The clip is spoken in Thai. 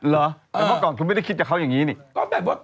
เมื่อก่อนคุณไม่ได้คิดกับเขาอย่างนี้นี่